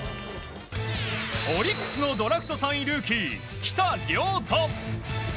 オリックスのドラフト３位ルーキー来田涼斗。